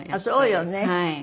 そうよね。